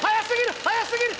速すぎる！